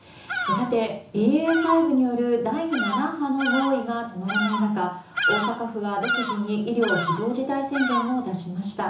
さて、ＢＡ．５による第７波の猛威が止まらない中大阪府は独自に医療非常事態宣言を出しました。